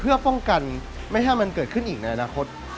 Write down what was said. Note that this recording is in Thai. เพื่อป้องกันไม่ให้มันเกิดขึ้นอีกในอนาคต